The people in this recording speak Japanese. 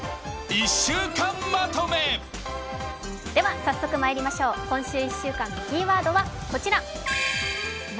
早速まいりましょう、今週１週間のキーワードは「無」。